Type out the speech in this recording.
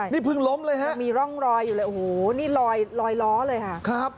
นี่เพิ่งล้มเลยฮะมีร่องรอยอยู่เลยโอ้โหนี่ลอยลอยล้อเลยค่ะครับ